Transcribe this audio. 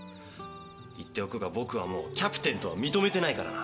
言っておくが僕はもうキャプテンとは認めてないからな。